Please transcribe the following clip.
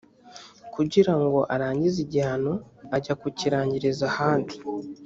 kugira ngo arangize igihano ajya kukirangiriza ahandi